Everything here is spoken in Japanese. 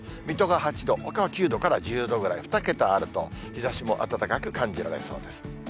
水戸が８度、ほかは９度から１０度ぐらい、２桁あると、日ざしも暖かく感じられそうです。